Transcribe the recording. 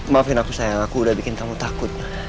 maafin aku saya aku udah bikin kamu takut